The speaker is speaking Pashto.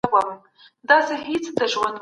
فیل له کلي څخه تېر سوی و.